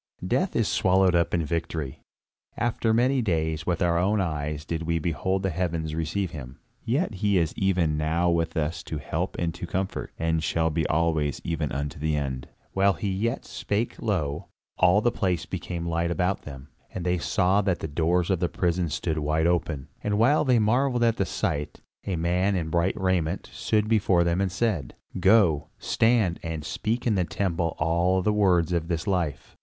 Death is swallowed up in victory. After many days, with our own eyes did we behold the heavens receive him. Yet is he even now with us to help and to comfort, and shall be alway even unto the end." While he yet spake, lo! all the place became light about them, and they saw that the doors of the prison stood wide open; and while they marvelled at the sight, a man in bright raiment stood before them and said: "Go, stand and speak in the temple all the words of this life!"